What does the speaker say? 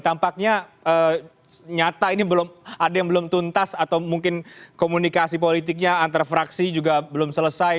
tampaknya nyata ini belum ada yang belum tuntas atau mungkin komunikasi politiknya antar fraksi juga belum selesai